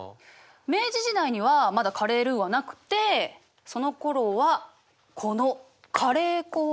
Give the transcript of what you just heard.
明治時代にはまだカレールーはなくてそのころはこのカレー粉をね使って料理してたの。